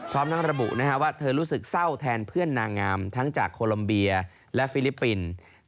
พร้อมทั้งระบุว่าเธอรู้สึกเศร้าแทนเพื่อนนางงามทั้งจากโคลัมเบียและฟิลิปปินส์